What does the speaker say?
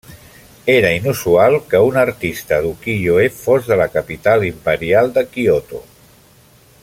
Era inusual que un artista d'ukiyo-e fos de la capital imperial de Kyoto.